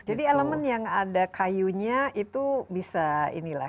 jadi elemen yang ada kayunya itu bisa ini lah